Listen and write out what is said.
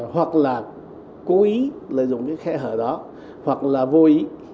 hoặc là cố ý lợi dụng cái khẽ hở đó hoặc là vô ý